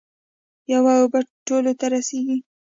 یوه اوبه ټولو ته رسیږي.